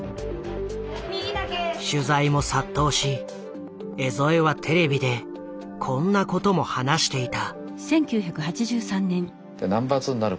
取材も殺到し江副はテレビでこんなことも話していた。